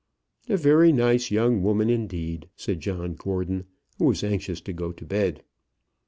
"A very nice young woman indeed," said John Gordon, who was anxious to go to bed.